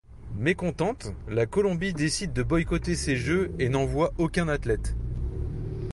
Mécontente, la Colombie décide de boycotter ces Jeux et n'envoie aucun athlète.